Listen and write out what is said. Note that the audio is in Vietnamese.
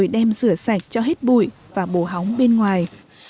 anh báo đem rửa sạch cho hết bụi và bổ hóng bên ngoài